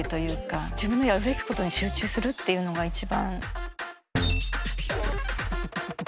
自分のやるべきことに集中するっていうのが一番。